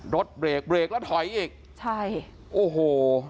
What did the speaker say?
รถเบรกเบรกแล้วถอยอีกใช่โอ้โห